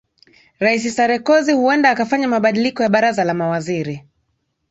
rais sarekozy huenda akafanya mabandiliko ya baraza la mawaziri